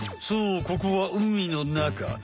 そうここは海のなか。